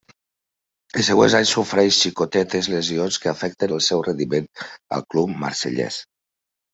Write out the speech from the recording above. Els següents anys sofreix xicotetes lesions que afecten el seu rendiment al club marsellès.